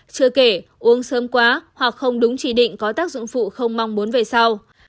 chưa kể uống sớm quá hoặc không đúng chỉ định có tác dụng phụ không mong muốn về sau